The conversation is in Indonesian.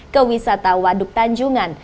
ke wisata waduk tanjungan